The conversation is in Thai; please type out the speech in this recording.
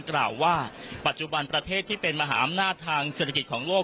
กล่าวว่าปัจจุบันประเทศที่เป็นมหาอำนาจทางเศรษฐกิจของโลก